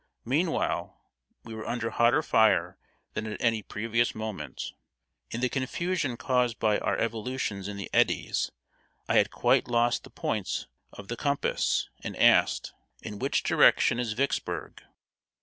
Meanwhile, we were under hotter fire than at any previous moment. In the confusion caused by our evolutions in the eddies, I had quite lost the points the of compass, and asked: "In which direction is Vicksburg?"